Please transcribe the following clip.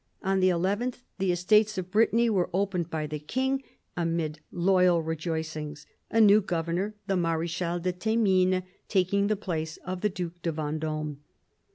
On the nth, the Estates of Brittany were opened by the King amid loyal rejoicings, a new governor, the Mar6chal de Thymines, taking the place of the Due de VendOme.